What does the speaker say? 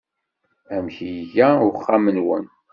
Amek iga uxxam-nwen?